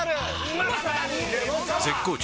絶好調！！